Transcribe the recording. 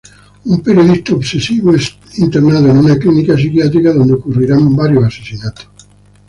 Un periodista obsesivo es internado en una clínica psiquiátrica donde ocurrirán varios asesinatos.